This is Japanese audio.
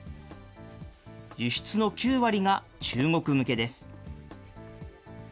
輸出の９割が中国向けです。